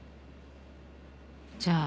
じゃあ。